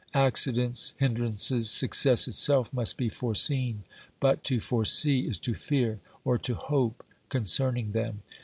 Accidents, hindrances, success itself must be foreseen, but to foresee is to fear or to hope concerning them.